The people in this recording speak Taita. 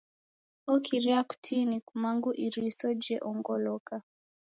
Okiria kutini kumangu iriso jeongoloka.